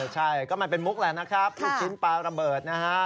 ใช่ก็มันเป็นมุกแหละนะครับลูกชิ้นปลาระเบิดนะฮะ